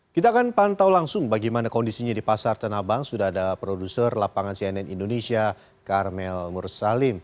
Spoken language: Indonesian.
kita akan pantau langsung bagaimana kondisinya di pasar tanah abang sudah ada produser lapangan cnn indonesia karmel mursalim